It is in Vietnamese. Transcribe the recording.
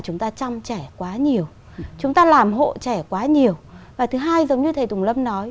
chúng ta chăm trẻ quá nhiều chúng ta làm hộ trẻ quá nhiều và thứ hai giống như thầy tùng lâm nói